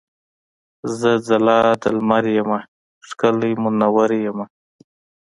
زه ځلا د لمر یمه ښکلی مونور یمه.